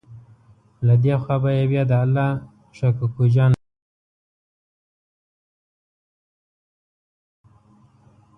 له دې خوا به یې بیا د الله شا کوکو جان سندره ورسره وویله.